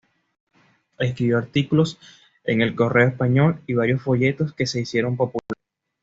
Escribió artículos en "El Correo Español" y varios folletos que se hicieron populares.